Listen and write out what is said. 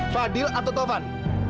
fadil atau taufan